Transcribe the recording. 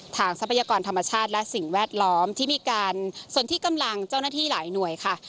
ทรัพยากรธรรมชาติและสิ่งแวดล้อมที่มีการสนที่กำลังเจ้าหน้าที่หลายหน่วยค่ะ